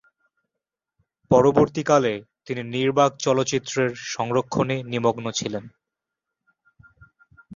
পরবর্তী কালে তিনি নির্বাক চলচ্চিত্রের সংরক্ষণে নিমগ্ন ছিলেন।